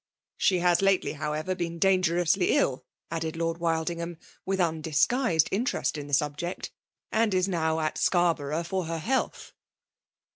'' She has lately, however, been danger* ously ill," added Lord Wildingham, with unr disguised interest in the subject; "and is now at Scarborough for her health.